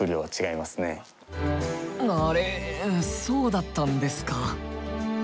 そうだったんですか。